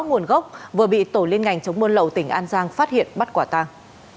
nguồn gốc vừa bị tổ liên ngành chống buôn lậu tỉnh an giang phát hiện bắt quả tàng